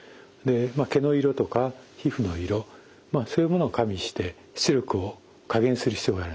毛の色とか皮膚の色そういうものを加味して出力を加減する必要があるんです。